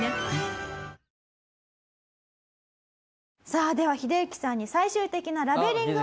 さあではヒデユキさんに最終的なラベリングを。